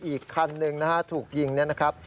อีกคันนึงถูกยิงนี่นะครับ